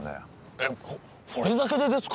えッほれだけでですか？